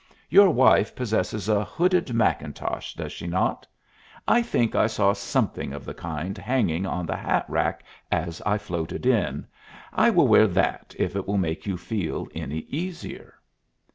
Your wife possesses a hooded mackintosh, does she not? I think I saw something of the kind hanging on the hat rack as I floated in. I will wear that if it will make you feel any easier."